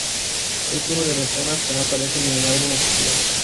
Es uno de los temas que no aparecen en álbum oficial.